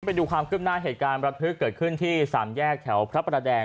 ไปดูความขึ้นหน้าเหตุการณ์ประทึกเกิดขึ้นที่สามแยกแถวพระประแดง